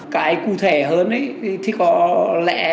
cái cụ thể hơn thì có lẽ